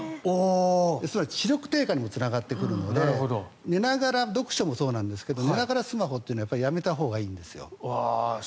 つまり、視力低下にもつながってくるので寝ながら読書もそうなんですが寝ながらスマホというのはやめたほうがいいんですよ。